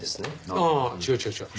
ああ違う違う違う。